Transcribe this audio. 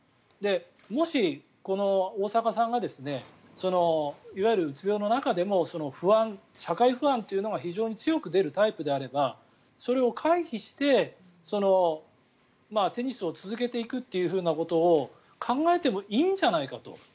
もし、大坂さんがいわゆるうつ病の中でも社会不安というのが非常に強く出るタイプであればそれを回避してテニスを続けていくということを考えてもいいんじゃないかと。